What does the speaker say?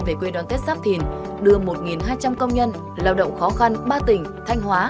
về quê đón tết sắp thìn đưa một hai trăm linh công nhân lao động khó khăn ba tỉnh thanh hóa